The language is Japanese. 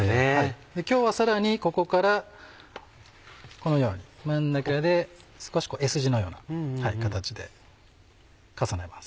今日はさらにここからこのように真ん中で少しＳ字のような形で重ねます。